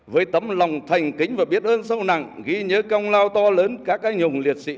với tấm lòng thành kính và biết ơn sâu nặng ghi nhớ công lao to lớn các anh hùng liệt sĩ